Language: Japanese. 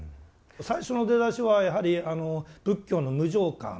最初の出だしはやはり仏教の無常観